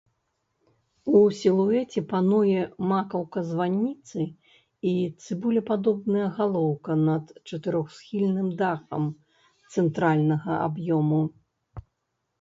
У сілуэце пануе макаўка званіцы і цыбулепадобная галоўка над чатырохсхільным дахам цэнтральнага аб'ёму.